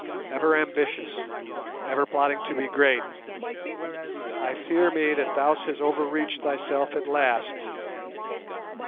Ever ambitious, ever plotting to be great, I fear me that thou hast overreached thyself at last.